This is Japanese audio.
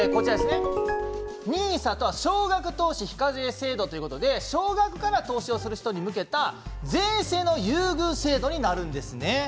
ＮＩＳＡは少額投資非課税制度といいまして少額から投資する人に向けた税制の優遇制度になるんですね。